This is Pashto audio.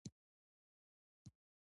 کابل د افغانانو د معیشت سرچینه ده.